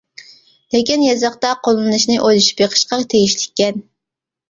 لېكىن يېزىقتا قوللىنىشنى ئويلىشىپ بېقىشقا تېگىشلىككەن.